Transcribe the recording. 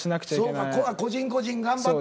そうか個人個人頑張って。